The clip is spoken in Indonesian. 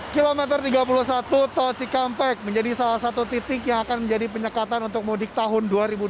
kilometer tiga puluh satu tol cikampek menjadi salah satu titik yang akan menjadi penyekatan untuk mudik tahun dua ribu dua puluh